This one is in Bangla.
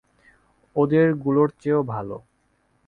ওদের গুলোর চেয়েও ভালো।